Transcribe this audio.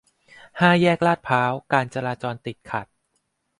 ห้าแยกลาดพร้าว การจราจรติดขัด